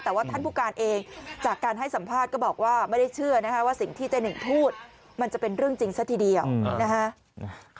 แต่ว่าท่านผู้การเองจากการให้สัมภาษณ์ก็บอกว่าไม่ได้เชื่อนะคะว่าสิ่งที่เจ๊หนึ่งพูดมันจะเป็นเรื่องจริงซะทีเดียวนะฮะ